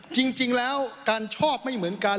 จริงแล้วการชอบไม่เหมือนกัน